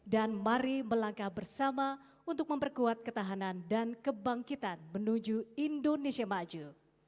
dan mari melangkah bersama untuk memperkuat ketahanan dan kebangkitan menuju indonesia maju